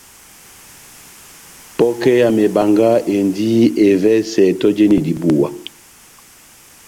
Pokɛ ya mebanga endi evɛsɛ tɔjeni dibuwa.